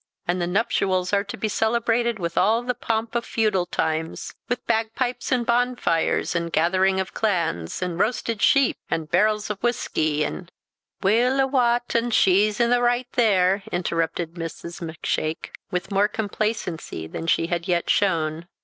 And the nuptials are to be celebrated with all the pomp of feudal times; with bagpipes, and bonfires, and gatherings of clans, and roasted sheep, and barrels of whisky, and " "Weel a wat, an' she's i' the right there," interrupted Mrs. Macshake, with more complacency than she had yet shown.